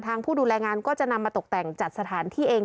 ผู้ดูแลงานก็จะนำมาตกแต่งจัดสถานที่เอง